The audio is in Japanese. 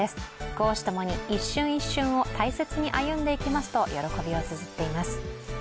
公私ともに一瞬一瞬を大切に歩んでいきますと喜びをつづっています。